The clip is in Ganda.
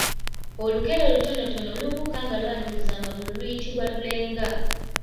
Olukere olutononotono olubuuka nga lwanjuluza amagulu luyitibwa lulenga.